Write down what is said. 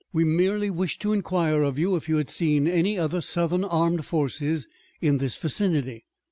We merely wished to inquire of you if you had seen any other Southern armed forces in this vicinity."